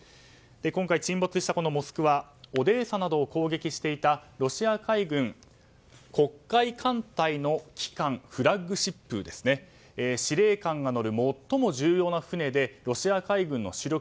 今回、沈没した「モスクワ」オデーサなどを攻撃していたロシア海軍黒海艦隊の旗艦フラッグシップですね司令官が乗る最も重要な船でロシア海軍の主力